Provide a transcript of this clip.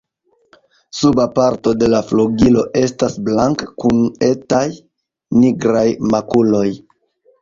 Suba parto de la flugilo estas blanka, kun etaj nigraj makuloj.